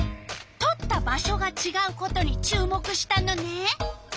とった場所がちがうことに注目したのね。